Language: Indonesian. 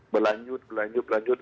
berlanjut berlanjut berlanjut